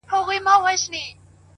خپـه به دا وي كــه شـــيرين نه ســمــه.